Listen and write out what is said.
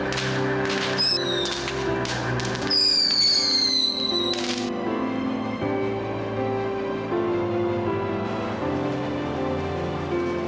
kamu gak boleh tinggalin aku